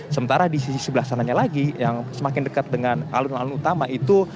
sementara di sisi sebelah sananya lagi yang semakin dekat dengan alun alun utama itu